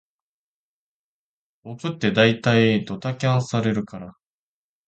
僕ってだいたいドタキャンされるから